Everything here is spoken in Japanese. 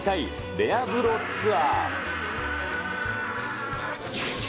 レア風呂ツアー。